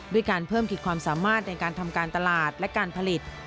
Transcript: การเพิ่มขีดความสามารถในการทำการตลาดและการผลิต